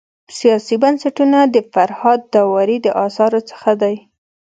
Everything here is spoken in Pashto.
سیاسي بنسټونه د فرهاد داوري د اثارو څخه دی.